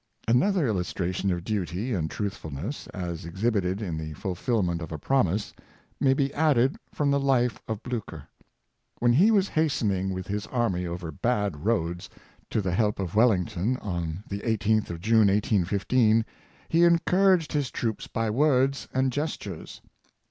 Another illustration of duty and truthfulness, as ex hibited in the fulfillment of a promise, may be added from the life of Blucher. When he was hastening: with his army over bad roads to the help of Wellington, on the 1 8th of June, 1815, he encouraged his troops by words and gestures.